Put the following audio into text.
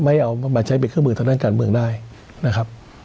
เอามาใช้เป็นเครื่องมือทางด้านการเมืองได้นะครับ